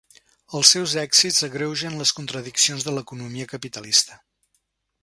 Els seus èxits agreugen les contradiccions de l'economia capitalista.